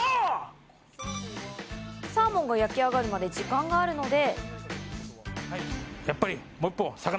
サーモンが焼き上がるまで時間があるので。